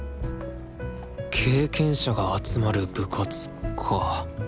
経験者が集まる部活か。